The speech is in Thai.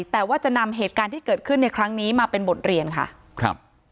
แต่ว่าจะนำเหตุการณ์ที่เกิดขึ้นในครั้งนี้มาเป็นบทเรียนค่ะครับ